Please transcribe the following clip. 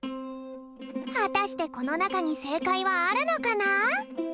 はたしてこのなかにせいかいはあるのかな？